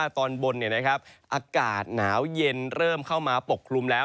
ตอนบนอากาศหนาวเย็นเริ่มเข้ามาปกคลุมแล้ว